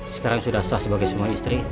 sekarang sudah sah sebagai semua istri